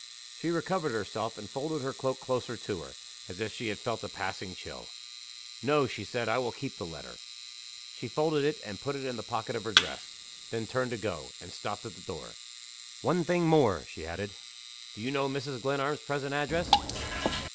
She recovered herself, and folded her cloak closer to her, as if she had felt a passing chill. "No," she said; "I will keep the letter." She folded it and put it in the pocket of her dress. Then turned to go and stopped at the door. "One thing more," she added. "Do you know Mrs. Glenarm's present address?"